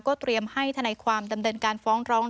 เตรียมให้ทนายความดำเนินการฟ้องร้อง